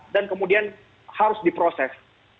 dan kemudian harus diproses